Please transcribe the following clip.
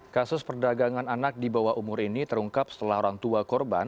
kasus perdagangan anak di bawah umur ini terungkap setelah orang tua korban